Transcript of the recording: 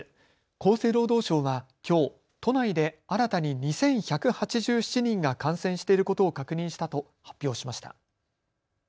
厚生労働省はきょう都内で新たに２１８７人が感染していることを確認したと発表しました。